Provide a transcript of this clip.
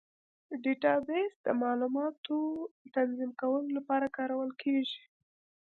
ډیټابیس د معلوماتو تنظیم کولو لپاره کارول کېږي.